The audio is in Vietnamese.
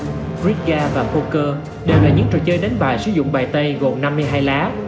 brickga và poker đều là những trò chơi đánh bài sử dụng bài tay gồm năm mươi hai lá